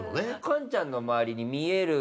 カンちゃんの周りに見える？